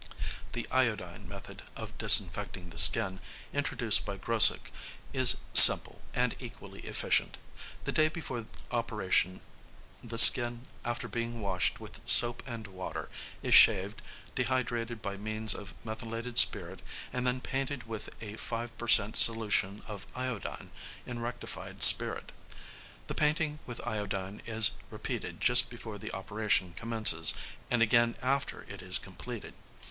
The iodine method of disinfecting the skin introduced by Grossich is simple, and equally efficient. The day before operation the skin, after being washed with soap and water, is shaved, dehydrated by means of methylated spirit, and then painted with a 5 per cent. solution of iodine in rectified spirit. The painting with iodine is repeated just before the operation commences, and again after it is completed.